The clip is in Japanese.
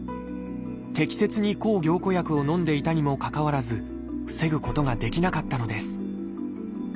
適切に抗凝固薬をのんでいたにもかかわらず防ぐことができなかったのです。